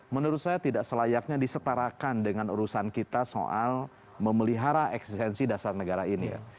menurut saya tidak selayaknya disetarakan dengan urusan kita soal memelihara eksistensi dasar negara ini ya